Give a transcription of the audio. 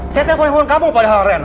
saya telepon telepon kamu pada hal lain